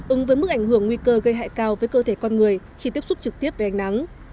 ứng với mức ảnh hưởng nguy cơ gây hại cao với cơ thể con người khi tiếp xúc trực tiếp với ánh nắng